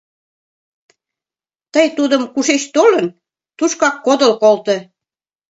Тый тудым, кушеч толын, тушкак кодыл колто.